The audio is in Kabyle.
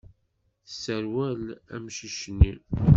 Tesserwel amcic-nni.